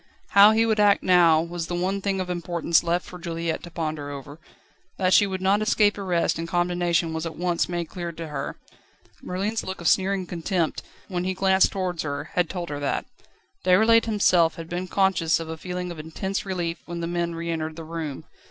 How he would act now was the one thing of importance left for Juliette to ponder over. That she would not escape arrest and condemnation was at once made clear to her. Merlin's look of sneering contempt, when he glanced towards her, had told her that. Déroulède himself had been conscious of a feeling of intense relief when the men re entered the room.